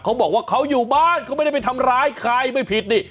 เขาบอกว่าเขาอยู่บ้านเขาไม่ได้ไปทำร้ายใครไม่ผิดนี่